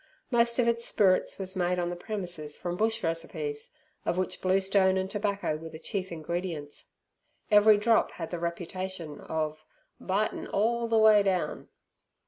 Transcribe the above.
Most of its spirits was made on the premises from bush recipes, of which bluestone and tobacco were the chief ingredients. Every drop had the reputation of "bitin' orl ther way down".